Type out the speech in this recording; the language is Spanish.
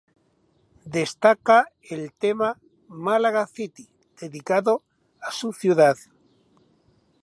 Destaca el tema "Málaga City" dedicado a su ciudad.